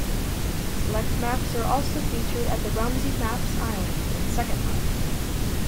Select maps are also featured at the Rumsey Maps island in Second Life.